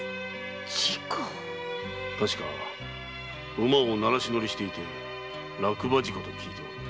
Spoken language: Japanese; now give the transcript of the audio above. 事故⁉確か馬を慣らし乗りしていて落馬事故と聞いている。